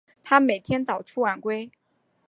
他每天早出晚归